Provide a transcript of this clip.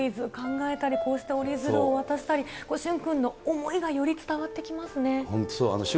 クイズ考えたり、こうして折り鶴を渡したり、駿君の思いがより伝わってきます